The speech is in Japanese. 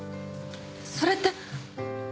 それって